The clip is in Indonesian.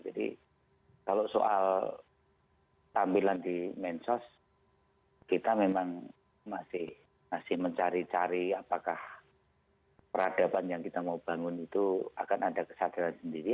jadi kalau soal tampilan di mensos kita memang masih mencari cari apakah peradaban yang kita mau bangun itu akan ada kesadaran sendiri